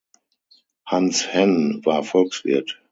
Hans Henn war Volkswirt.